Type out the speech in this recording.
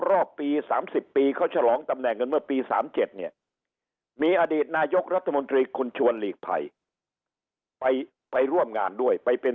รอบปี๓๐ปีเขาฉลองตำแหน่งกันเมื่อปี๓๗เนี่ยมีอดีตนายกรัฐมนตรีคุณชวนหลีกภัยไปร่วมงานด้วยไปเป็น